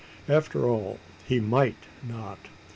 After all, he might not.